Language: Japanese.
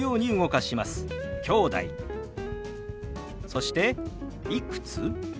そして「いくつ？」。